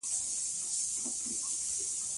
ت زر تا، ت زېر تي، ت پېښ تو، تا تي تو